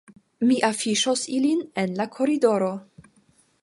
Mi afiŝos ilin en la koridoro